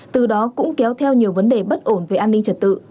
từ đó cũng kéo theo nhiều vấn đề bất ổn về an ninh trật tự